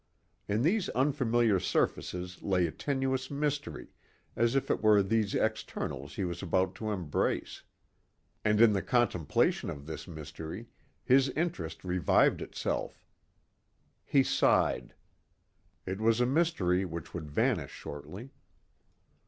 In these unfamiliar surfaces lay a tenuous mystery as if it were these externals he was about to embrace. And in the contemplation of this mystery, his interest revived itself. He sighed. It was a mystery which would vanish shortly.